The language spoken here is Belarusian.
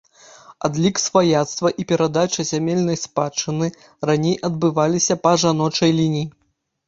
Адлік сваяцтва і перадача зямельнай спадчыны раней адбываліся па жаночай лініі.